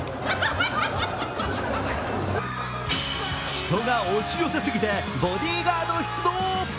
人が押し寄せすぎてボディーガード出動